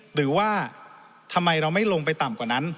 หรือว่าทำไมเราไม่ลงไปต่ำกว่านั้น